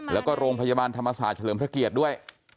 แล้วก็โรงพยาบาลธรรมศาสตร์เฉลิมพระเกียรติด้วย